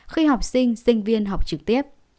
khi học sinh sinh viên học trực tiếp